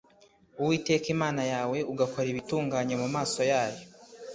Uwiteka Imana yawe ugakora ibitunganye mu maso yayo